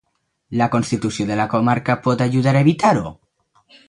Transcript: La constitució de la comarca pot ajudar a evitar-ho?